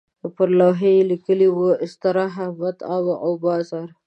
پر لوحه یې لیکلي وو استراحه، مطعم او بازار.